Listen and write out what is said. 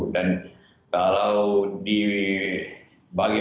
dan kalau dibagi bagi lagi